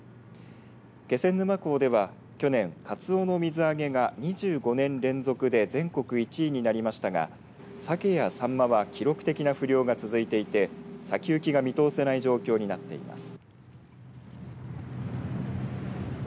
気仙沼港では去年、カツオの水揚げが２５年連続で全国１位になりましたがサケやサンマは記録的な不漁が続いていて先行きが見通せない状況になっています。